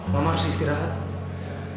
mama harus istirahat